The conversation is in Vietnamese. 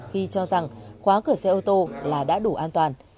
khi cho rằng khóa cửa xe ô tô là đã đủ an toàn